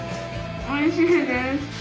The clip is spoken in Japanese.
おいしいです！